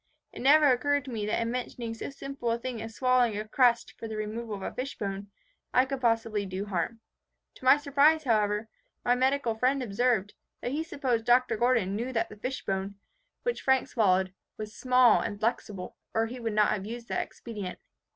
It never occurred to me that in mentioning so simple a thing as swallowing a crust for the removal of a fish bone, I could possibly do harm. To my surprise, however, my medical friend observed, that he supposed Dr. Gordon knew that the fishbone, which Frank swallowed, was small and flexible, or he would not have used that expedient.